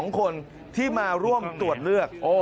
๒คนที่มาร่วมตรวจเลือก